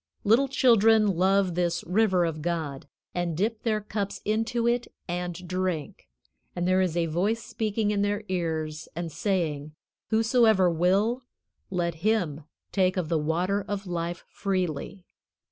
Little children love this River of God, and dip their cups into it and drink, and there is a voice speaking in their ears and saying: "Whosoever will, let him take of the water of life freely."